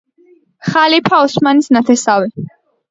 ხალიფა ოსმანის ნათესავი.